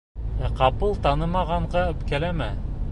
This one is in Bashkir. Ә ҡапыл танымағанға үпкәләмә.